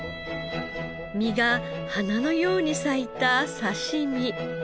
身が花のように咲いた刺身。